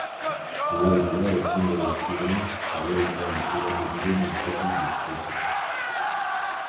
Lau dira aurtengo edizioan jaialdira gerturatu diren antzoki bizkaitarrak.